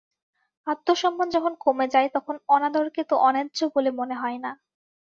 আত্মসন্মান যখন কমে যায় তখন অনাদরকে তো অন্যায্য বলে মনে হয় না।